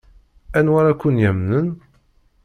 Anwa ara ken-yamnen?